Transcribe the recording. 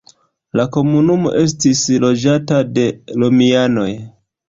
La komunumo estis loĝata de romianoj.